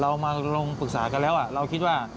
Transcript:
เรามาลงปรึกษากันแล้วเราคิดว่า